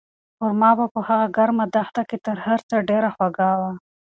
خورما په هغه ګرمه دښته کې تر هر څه ډېره خوږه وه.